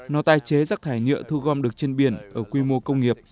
nó tái chế rác thải nhựa thu gom được trên biển ở quy mô công nghiệp